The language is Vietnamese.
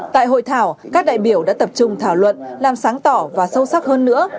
tại hội thảo các đại biểu đã tập trung thảo luận làm sáng tỏ và sâu sắc hơn nữa